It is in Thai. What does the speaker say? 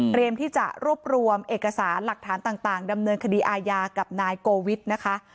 ที่จะรวบรวมเอกสารหลักฐานต่างดำเนินคดีอาญากับนายโกวิทนะคะ